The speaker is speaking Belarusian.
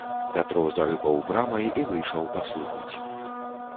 Пятро зарыпаў брамай і выйшаў паслухаць.